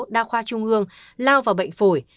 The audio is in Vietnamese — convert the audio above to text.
đa khoa trung ương lao vào bệnh phổi